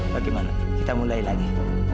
bagaimana kita mulai lagi